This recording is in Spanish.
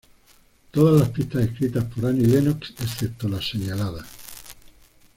Todas las pistas escritas por Annie Lennox excepto las señaladas.